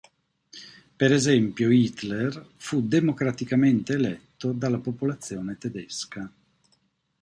Per esempio Hitler fu democraticamente eletto dalla popolazione tedesca.